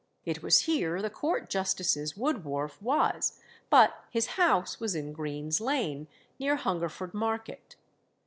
It was here the court justice's wood wharf was, but his house was in Green's Lane, near Hungerford Market.